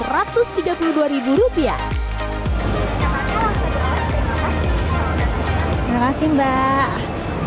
terima kasih mbak